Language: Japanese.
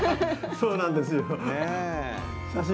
そうなんですよ。